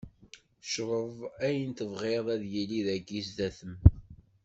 Creḍ ayen tebɣiḍ ad d-yili dagi zdat-m.